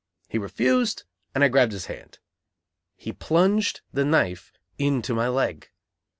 He refused, and I grabbed his hand. He plunged the knife into my leg.